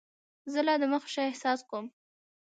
زه لا دمخه ښه احساس کوم.